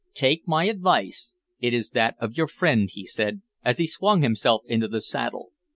"Take my advice, it is that of your friend," he said, as he swung himself into the saddle.